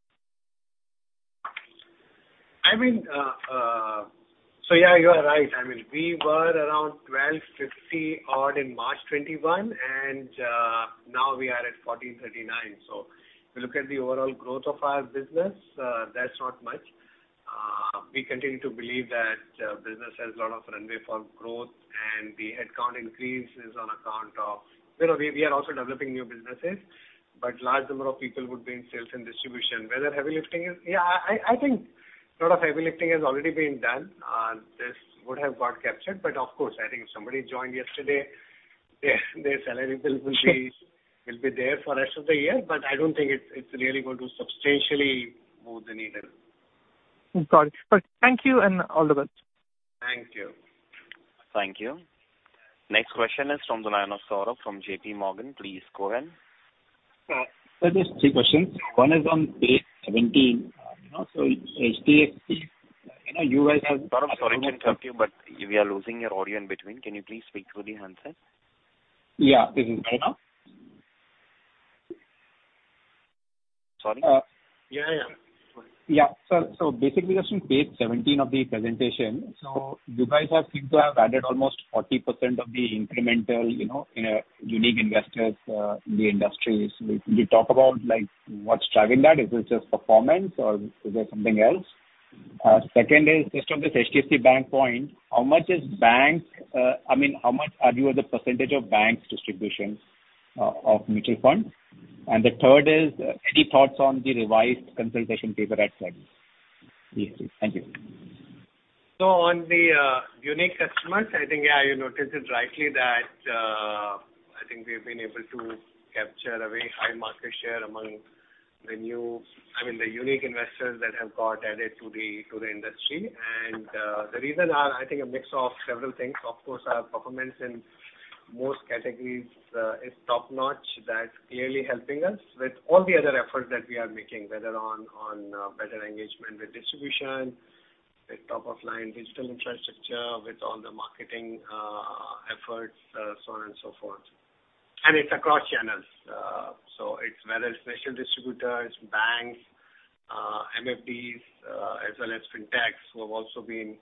I mean, so yeah, you are right. I mean, we were around 1,250 odd in March 2021, and now we are at 1,439. So if you look at the overall growth of our business, that's not much. We continue to believe that business has a lot of runway for growth, and the headcount increase is on account of, you know, we are also developing new businesses. But large number of people would be in sales and distribution. Yeah, I think a lot of heavy lifting has already been done. This would have got captured. But of course, I think if somebody joined yesterday, their salary bill will be there for the rest of the year. But I don't think it's really going to substantially move the needle. Got it. Thank you, and all the best. Thank you. Thank you. Next question is from the line of Saurabh from JPMorgan. Please go ahead. Sir, just three questions. One is on page 17. You know, so HDFC, you know, you guys have- Saurabh, sorry to interrupt you, but we are losing your audio in between. Can you please speak through the handset? Yeah. Right now? Sorry. Uh. Yeah, yeah. Yeah. So, so basically just on page 17 of the presentation. So you guys seem to have added almost 40% of the incremental, you know, unique investors in the industry. So can you talk about, like, what's driving that? Is it just performance or is there something else? Second is, just on this HDFC Bank point, how much is bank... I mean, how much are you as a percentage of banks' distributions of mutual funds? And the third is, any thoughts on the revised consultation paper at SEBI? Thank you. So on the unique customers, I think, yeah, you noticed it rightly that I think we've been able to capture a very high market share among the new—I mean, the unique investors that have got added to the industry. And the reason are, I think, a mix of several things. Of course, our performance in most categories is top-notch. That's clearly helping us with all the other efforts that we are making, whether on better engagement with distribution, with top-of-line digital infrastructure, with all the marketing efforts, so on and so forth. And it's across channels. So it's whether it's mutual distributors, banks, MFDs, as well as fintechs, who have also been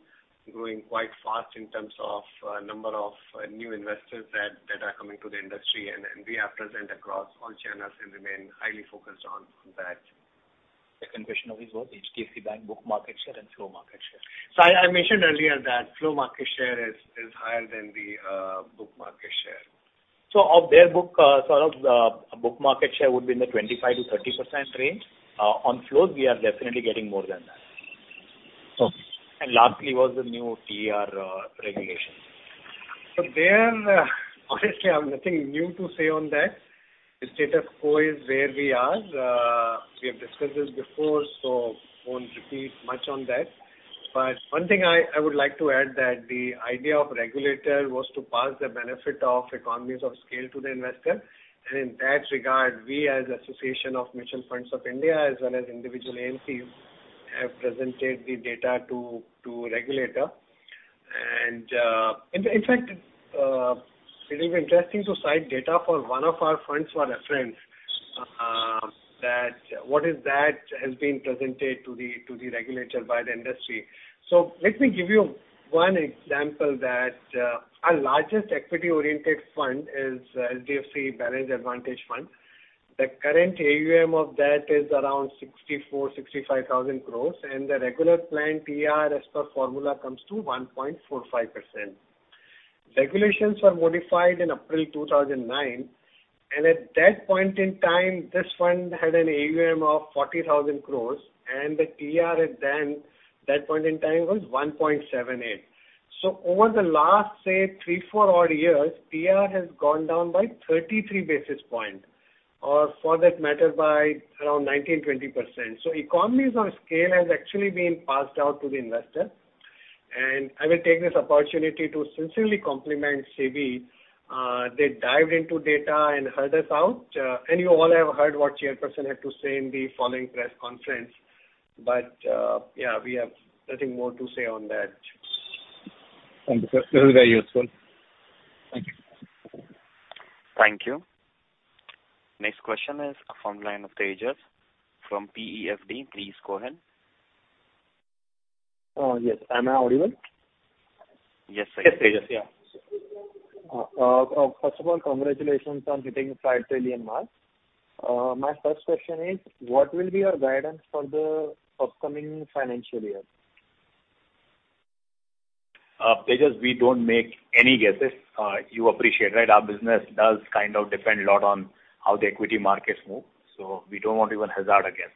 growing quite fast in terms of number of new investors that are coming to the industry. We are present across all channels and remain highly focused on that. The second question always was HDFC Bank book market share and flow market share. So I mentioned earlier that flow market share is higher than the book market share. So of their book, sort of, book market share would be in the 25%-30% range. On flows, we are definitely getting more than that. Okay. And lastly, was the new TER regulation. So, there, honestly, I've nothing new to say on that. The status quo is where we are. We have discussed this before, so I won't repeat much on that. But one thing I would like to add, that the idea of regulator was to pass the benefit of economies of scale to the investor. And in that regard, we as Association of Mutual Funds in India, as well as individual AMCs, have presented the data to regulator. And in fact, it'll be interesting to cite data for one of our funds for reference, that what has been presented to the regulator by the industry. So let me give you one example that, our largest equity-oriented fund is HDFC Balanced Advantage Fund. The current AUM of that is around 64,000-65,000 crore, and the regular plan TER as per formula comes to 1.45%. Regulations were modified in April 2009, and at that point in time, this fund had an AUM of 40,000 crore, and the TER then, that point in time, was 1.78. So over the last, say, three four odd years, TER has gone down by 33 basis points, or for that matter, by around 19%-20%. So economies of scale has actually been passed out to the investor. And I will take this opportunity to sincerely compliment SEBI. They dived into data and heard us out. And you all have heard what chairperson had to say in the following press conference. But, yeah, we have nothing more to say on that. Thank you, sir. This is very useful. Thank you. Thank you. Next question is from line of Tejas from PEFD. Please go ahead. Yes. Am I audible? Yes. Yes, Tejas. Yeah. First of all, congratulations on hitting 5 trillion mark. My first question is: What will be your guidance for the upcoming financial year? Tejas, we don't make any guesses. You appreciate, right? Our business does kind of depend a lot on how the equity markets move, so we don't want to even hazard a guess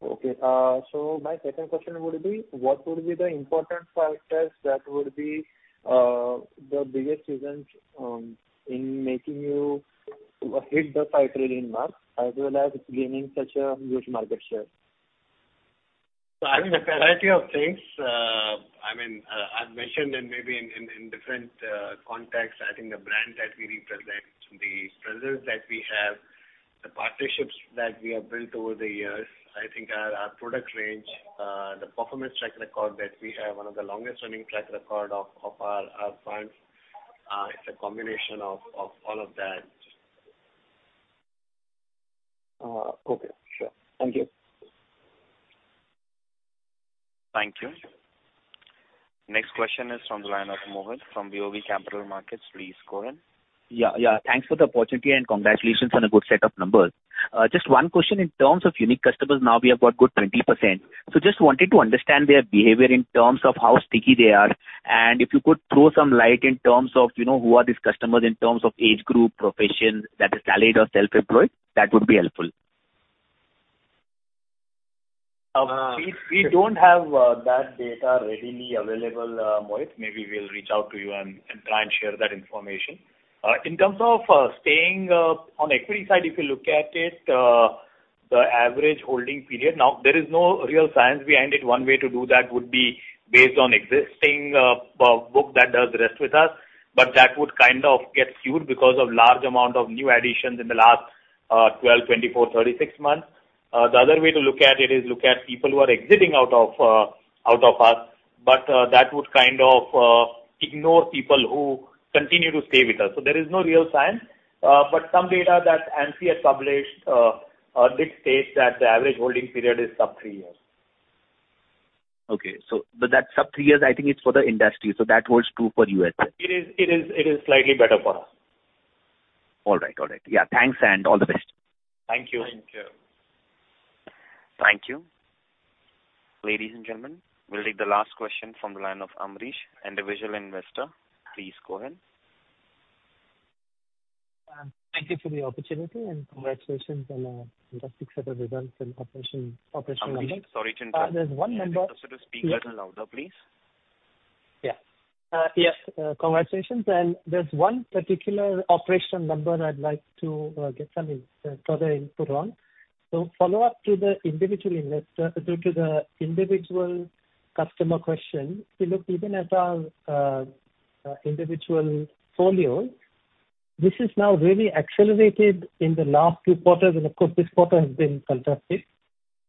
there. Okay. So my second question would be: What would be the important factors that would be the biggest reasons in making you hit the 5 trillion mark, as well as gaining such a huge market share? So I mean, a variety of things. I mean, I've mentioned them maybe in different contexts. I think the brand that we represent, the presence that we have, the partnerships that we have built over the years. I think our product range, the performance track record that we have, one of the longest-running track record of our funds. It's a combination of all of that. Okay. Sure. Thank you. Thank you. Next question is from the line of Mohit from BOB Capital Markets. Please go ahead. Yeah, yeah. Thanks for the opportunity, and congratulations on a good set of numbers. Just one question. In terms of unique customers, now we have got good 20%. So just wanted to understand their behavior in terms of how sticky they are, and if you could throw some light in terms of, you know, who are these customers in terms of age group, profession, that is, salaried or self-employed, that would be helpful. We don't have that data readily available, Mohit. Maybe we'll reach out to you and try and share that information. In terms of staying on equity side, if you look at it, the average holding period. Now, there is no real science behind it. One way to do that would be based on existing book that does rest with us, but that would kind of get skewed because of large amount of new additions in the last 12, 24, 36 months. The other way to look at it is look at people who are exiting out of us, but that would kind of ignore people who continue to stay with us. So there is no real science. Some data that AMFI has published did state that the average holding period is sub three years. Okay. So, but that sub three years, I think it's for the industry, so that holds true for you as well? It is slightly better for us. All right. Got it. Yeah, thanks, and all the best. Thank you. Thank you. Thank you. Ladies and gentlemen, we'll take the last question from the line of Amrish, individual investor. Please go ahead. Thank you for the opportunity, and congratulations on a fantastic set of results and operation, operational numbers. Amrish, sorry to interrupt. There's one member. Can you please speak a little louder, please? Yeah. Yes, congratulations. And there's one particular operational number I'd like to get some further input on. So follow up to the individual investor, due to the individual customer question, if you look even at our individual folios, this is now really accelerated in the last few quarters, and of course, this quarter has been fantastic.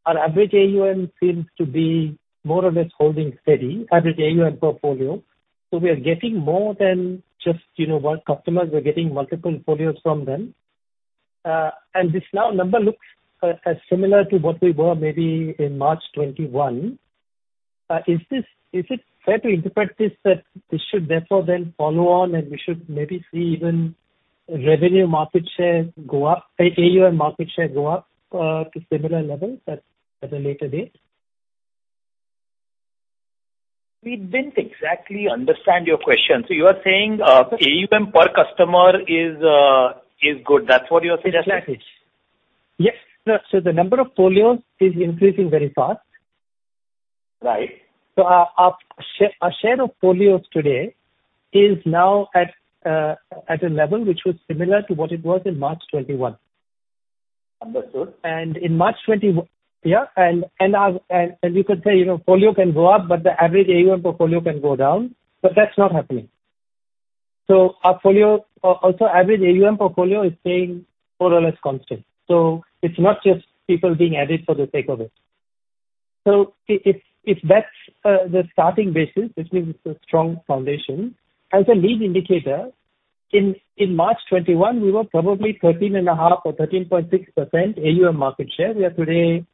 Our average AUM seems to be more or less holding steady, average AUM portfolio. So we are getting more than just, you know, one customer. We're getting multiple folios from them. And this now number looks as similar to what we were maybe in March 2021. Is it fair to interpret this that this should therefore then follow on, and we should maybe see even revenue market share go up, AUM market share go up, to similar levels at a later date? We didn't exactly understand your question. So you are saying, AUM per customer is, is good? That's what you're suggesting? Yes. The number of folios is increasing very fast. Right. Our share of folios today is now at a level which was similar to what it was in March 2021. Understood. In March 2021, yeah, and our, and you could say, you know, folio can go up, but the average AUM portfolio can go down, but that's not happening. So our folio also average AUM portfolio is staying more or less constant. So it's not just people being added for the sake of it. So if that's the starting basis, which means it's a strong foundation, as a lead indicator, in March 2021, we were probably 13.5 or 13.6% AUM market share. We are today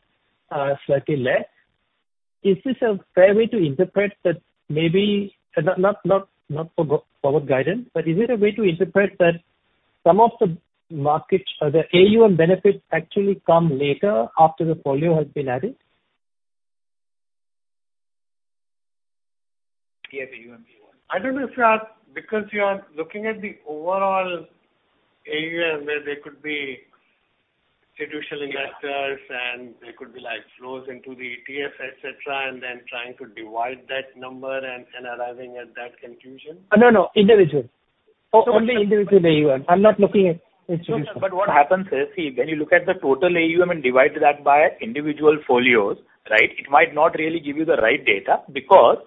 slightly less. Is this a fair way to interpret that maybe not for forward guidance, but is it a way to interpret that some of the market or the AUM benefits actually come later after the folio has been added? Yeah, the AUM. I don't know if you are... because you are looking at the overall AUM, where there could be institutional investors, and there could be, like, flows into the ETFs, et cetera, and then trying to divide that number and arriving at that conclusion? No, no, individual. Only individual AUM. I'm not looking at institutional. No, no, but what happens is, see, when you look at the total AUM and divide that by individual folios, right? It might not really give you the right data because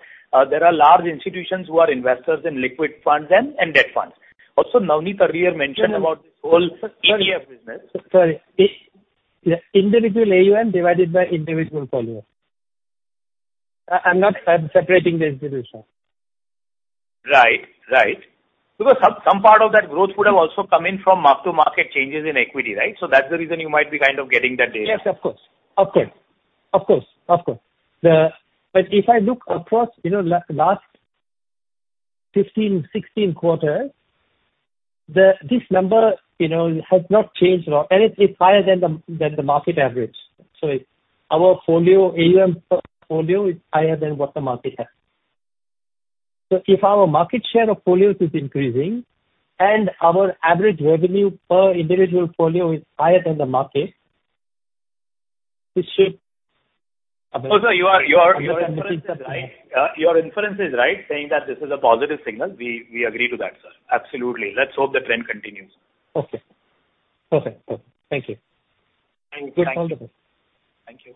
there are large institutions who are investors in liquid funds and debt funds. Also, Navneet Munot mentioned about this whole ETF business. Sorry, individual AUM divided by individual folio. I, I'm not separating the institution. Right. Right. Because some part of that growth would have also come in from mark-to-market changes in equity, right? So that's the reason you might be kind of getting that data. Yes, of course. Of course. Of course, of course. But if I look across, you know, last 15, 16 quarters, this number, you know, has not changed a lot, and it's higher than the, than the market average. So it's, our folio, AUM portfolio is higher than what the market has. So if our market share of folios is increasing and our average revenue per individual folio is higher than the market, it should- No, sir, your inference is right. Your inference is right, saying that this is a positive signal. We agree to that, sir. Absolutely. Let's hope the trend continues. Okay. Okay, okay. Thank you. Thank you. Good afternoon. Thank you.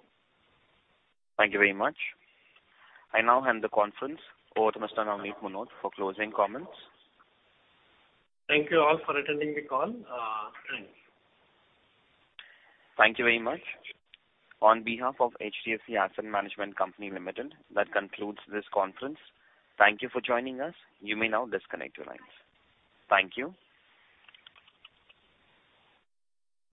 Thank you very much. I now hand the conference over to Mr. Navneet Munot for closing comments. Thank you all for attending the call. Thank you. Thank you very much. On behalf of HDFC Asset Management Company Limited, that concludes this conference. Thank you for joining us. You may now disconnect your lines. Thank you.